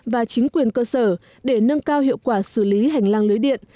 và chính quyền cơ sở để nâng cao hiệu quả xử lý hành lang lưới điện